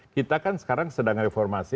kita kan sekarang sedang reformasi